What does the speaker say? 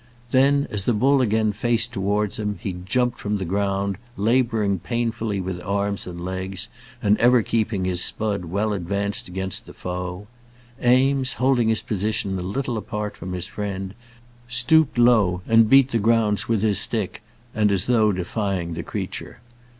Then as the bull again faced towards him, he jumped from the ground, labouring painfully with arms and legs, and ever keeping his spud well advanced against the foe. Eames, holding his position a little apart from his friend, stooped low and beat the ground with his stick, and as though defying the creature.